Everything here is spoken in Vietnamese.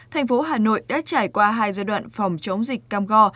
hà nội đã trải qua hai giai đoạn phòng chống dịch cam go